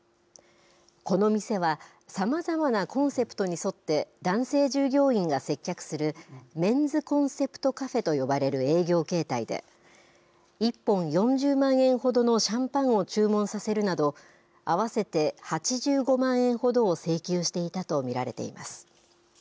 この店は、さまざまなコンセプトに沿って男性従業員が接客する、メンズコンセプトカフェと呼ばれる営業形態で、１本４０万円ほどのシャンパンを注文させるなど、合わせて８５万円ほどを請求していたと見られています。